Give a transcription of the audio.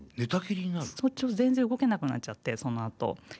全然動けなくなっちゃってそのあと。